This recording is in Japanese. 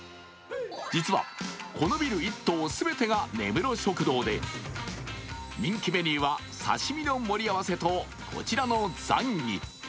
実は、このビル１棟全てが根室食堂で人気メニューは刺身の盛り合わせと、こちらのザンギ。